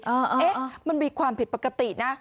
เอ๊ะมันมีความผิดปกตินะ